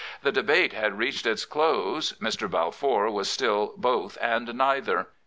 The debate had reached its close. M[r. Balfour was still both and neither. Mr.